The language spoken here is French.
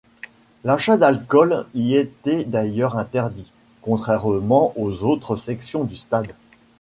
L'achat d'alcool y était d'ailleurs interdit, contrairement aux autres sections du stade.